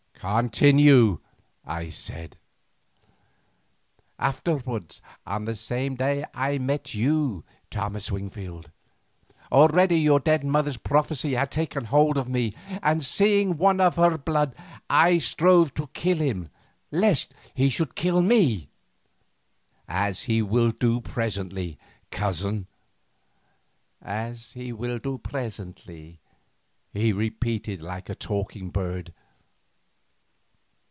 "Continue," I said. "Afterwards on that same day I met you, Thomas Wingfield. Already your dead mother's prophecy had taken hold of me, and seeing one of her blood I strove to kill him lest he should kill me." "As he will do presently, cousin." "As he will do presently," he repeated like a talking bird.